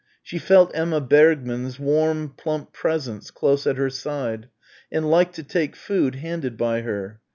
She felt Emma Bergmann's warm plump presence close at her side and liked to take food handed by her.